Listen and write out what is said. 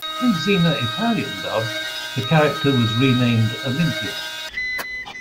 In Xena Italian dub, the character was renamed "Olimpia".